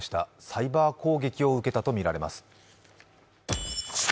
サイバー攻撃を受けたとみられます。